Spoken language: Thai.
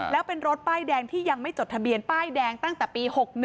แล้วเป็นรถป้ายแดงที่ยังไม่จดทะเบียนป้ายแดงตั้งแต่ปี๖๑